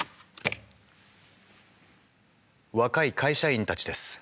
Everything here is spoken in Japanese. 若い会社員たちです。